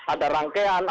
ada rangkaian ada